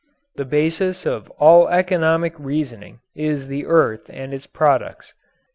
The basis of all economic reasoning is the earth and its products.